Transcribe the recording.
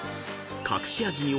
［隠し味に］